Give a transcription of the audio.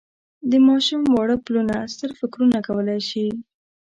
د ماشوم واړه پلونه ستر فکرونه کولای شي.